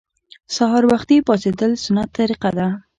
سهار وختي پاڅیدل سنت طریقه ده